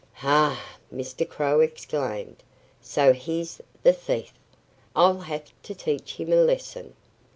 "Ha!" Mr. Crow exclaimed. "So he's the thief! I'll have to teach him a lesson."